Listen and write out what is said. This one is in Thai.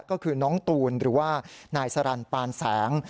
ก็คือน้องตูนหรือว่านายสรรปานแสง